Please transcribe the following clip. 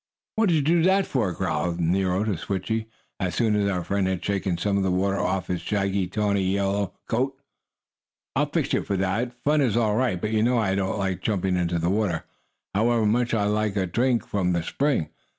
"What did you do that for?" growled Nero to Switchie, as soon as our friend had shaken some of the water off his shaggy, tawny yellow coat. "I'll fix you for that! Fun is all right, but you know I don't like jumping into the water, however much I like a drink from the spring.